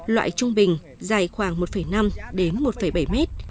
loại trung bình dài khoảng một năm m đến một bảy m